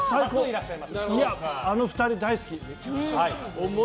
あの２人、大好き。